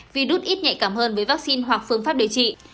virus ít nhạy cảm hơn với vaccine hoặc phương pháp điều trị